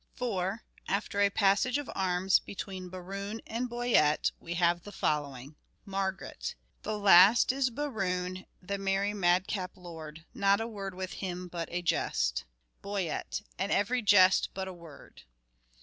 For, after a passage of arms between Berowne and Boyet we have the following :— Margaret : The last is Berowne, the merry mad cap lord, Not a word with him but a jest. Boyet : And every jest but a word.